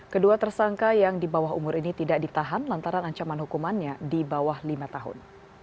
kedua tersangka yang di bawah umur ini tidak ditahan lantaran ancaman hukumannya di bawah lima tahun